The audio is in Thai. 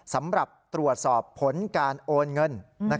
สำหรับตรวจสอบผลการโอนเงิน